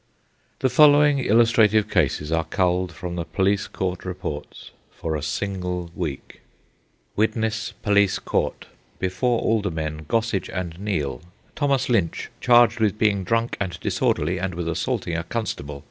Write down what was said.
The following illustrative cases are culled from the police court reports for a single week:— Widnes Police Court. Before Aldermen Gossage and Neil. Thomas Lynch, charged with being drunk and disorderly and with assaulting a constable.